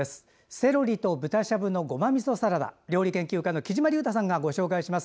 セロリと豚しゃぶのごまみそサラダ料理研究家のきじまりゅうたさんがご紹介します。